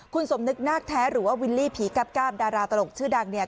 คุณสมนึกนาคแท้หรือว่าวิลลี่ผีกราบดาราตลกชื่อดังเนี่ย